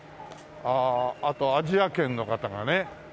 あとアジア圏の方がね。